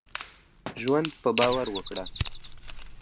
ژوند په باور وکړهٔ.